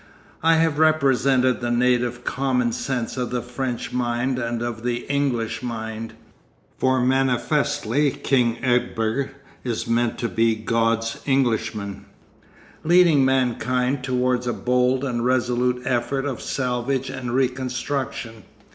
I have represented the native common sense of the French mind and of the English mind—for manifestly King Egbert is meant to be 'God's Englishman'—leading mankind towards a bold and resolute effort of salvage and reconstruction.